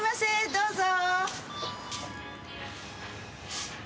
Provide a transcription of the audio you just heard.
どうぞ！